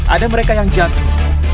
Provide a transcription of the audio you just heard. ada mereka yang jatuh